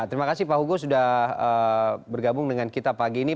terima kasih pak hugo sudah bergabung dengan kita pagi ini